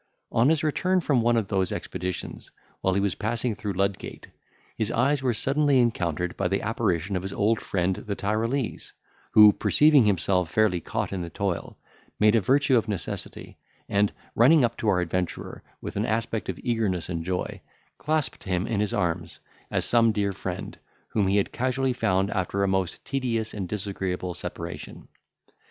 On his return from one of those expeditions, while he was passing through Ludgate, his eyes were suddenly encountered by the apparition of his old friend the Tyrolese, who, perceiving himself fairly caught in the toil, made a virtue of necessity, and, running up to our adventurer with an aspect of eagerness and joy, clasped him in his arms, as some dear friend, whom he had casually found after a most tedious and disagreeable separation.